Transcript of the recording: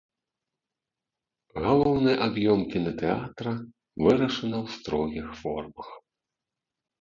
Галоўны аб'ём кінатэатра вырашана ў строгіх формах.